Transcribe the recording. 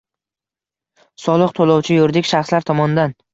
Soliq to‘lovchi-yuridik shaxslar tomonidan